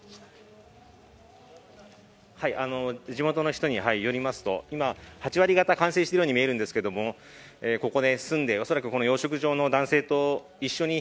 地元の人によりますと、今、８割方完成しているように見えるんですがここで住んで、恐らく養殖場の男性と一緒に